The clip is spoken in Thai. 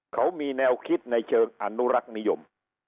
เขามีแนวคิดในเชิงอนุรักษ์นิยม